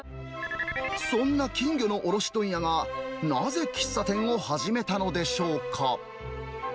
そんな金魚の卸問屋が、なぜ喫茶店を始めたのでしょうか。